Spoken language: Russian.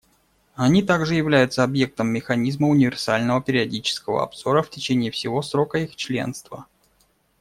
Они также являются объектом механизма универсального периодического обзора в течение всего срока их членства.